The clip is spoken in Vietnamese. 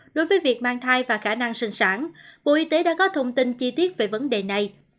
đối với việc mang thai và khả năng sinh sản bộ y tế đã có thông tin chi tiết về vấn đề này